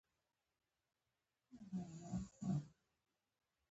طبیعت ته درناوی وکړئ